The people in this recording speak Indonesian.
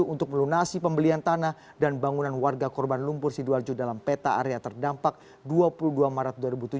untuk melunasi pembelian tanah dan bangunan warga korban lumpur sidoarjo dalam peta area terdampak dua puluh dua maret dua ribu tujuh belas